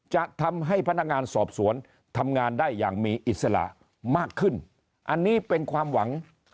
จะทำให้พนักงานสอบสวนทำงานได้อย่างมีอิสระมากขึ้นอันนี้เป็นความหวัง